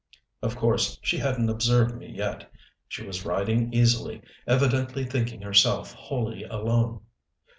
Of course she hadn't observed me yet. She was riding easily, evidently thinking herself wholly alone.